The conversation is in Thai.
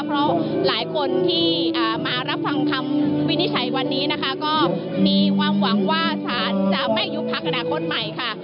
เพราะหลายคนที่มารับฟังคำวินิจฉัยวันนี้นะคะก็มีความหวังว่าสารจะไม่ยุบพักอนาคตใหม่ค่ะ